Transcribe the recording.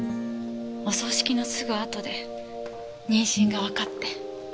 お葬式のすぐあとで妊娠がわかって。